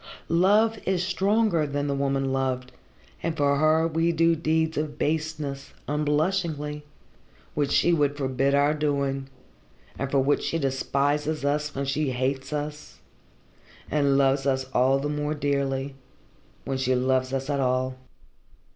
Love is stronger than the woman loved and for her we do deeds of baseness, unblushingly, which she would forbid our doing, and for which she despises us when she hates us, and loves us the more dearly when she loves us at all.